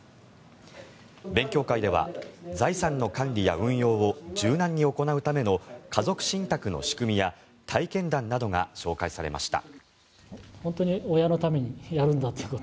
勉強会では財産の管理や運用を柔軟に行うための家族信託の仕組みや体験談などが紹介されました。